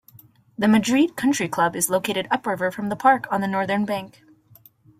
The Madrid Country Club is located upriver from the park on the northern bank.